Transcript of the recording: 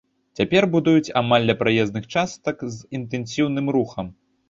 Цяпер будуюць амаль ля праезных частак з інтэнсіўным рухам.